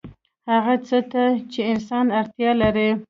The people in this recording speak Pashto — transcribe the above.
هغه څه ته چې انسان اړتیا لري